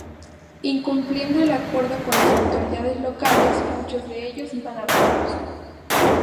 Incumpliendo el acuerdo con las autoridades locales, muchos de ellos iban armados.